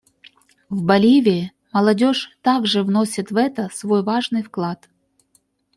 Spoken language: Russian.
В Боливии молодежь также вносит в это свой важный вклад.